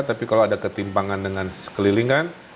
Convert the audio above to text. tapi kalau ada ketimpangan dengan sekeliling kan